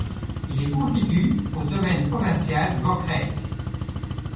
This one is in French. Il est contigu au Domaine provincial de Bokrijk.